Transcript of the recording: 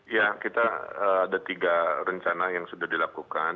ya kita ada tiga rencana yang sudah dilakukan